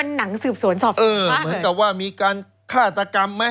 เหมือนกับว่ามีการฆ่าตรกรรมไหม